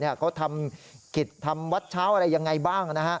เขาทำกิจทำวัดเช้าอะไรยังไงบ้าง